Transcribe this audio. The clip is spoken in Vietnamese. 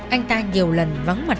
anh ta nhiều lần vắng mặt